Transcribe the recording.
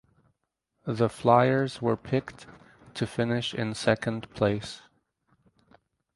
The Flyers were picked to finish in second place.